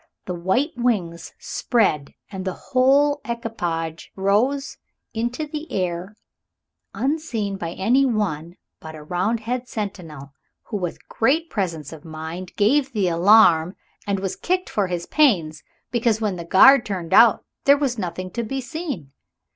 The white wings spread and the whole equipage rose into the air unseen by any one but a Roundhead sentinel, who with great presence of mind gave the alarm, and was kicked for his pains, because when the guard turned out there was nothing to be seen.